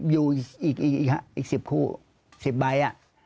อยู่อีก๑๐คู่๑๐ใบ